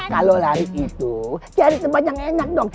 kalau lari itu cari teman yang enak dong